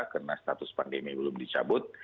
karena status pandemi belum dicabut